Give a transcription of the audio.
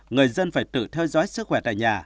người dân phải tự theo dõi sức khỏe tại nhà